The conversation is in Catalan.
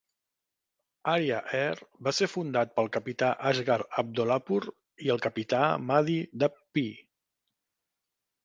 Aria Air va ser fundat pel capità Asghar Abdollahpour i el capità Mahdi Dadpei.